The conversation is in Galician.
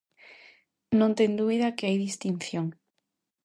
Non ten dúbida que hai distinción.